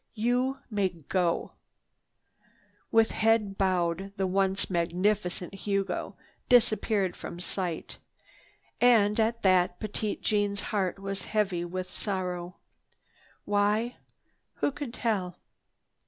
You may go." With bowed head, the once magnificent Hugo disappeared from their sight. And at that Petite Jeanne's heart was heavy with sorrow. Why? Who could tell?